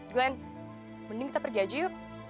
gwan mending kita pergi aja yuk